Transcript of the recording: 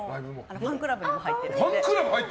ファンクラブにも入ってて。